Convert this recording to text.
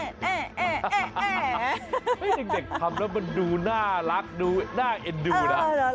เฮ่เมื่อกลับอย่างเด็กทำแล้วมันน่าลักดูน่าเอ็ดดูนะ